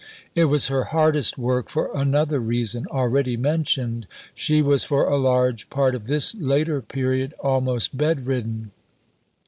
It was her hardest work for another reason, already mentioned: she was for a large part of this later period, almost bedridden.